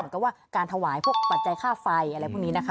กับว่าการถวายพวกปัจจัยค่าไฟอะไรพวกนี้นะคะ